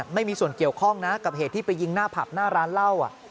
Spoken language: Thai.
ไม่มีส่วนเกี่ยวข้องนะกับเหตุที่ไปยิงหน้าผับหน้าร้านเหล้า